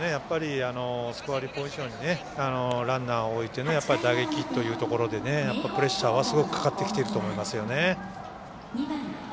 スコアリングポジションにランナーを置いての打撃というところでプレッシャーはすごくかかってきていると思います。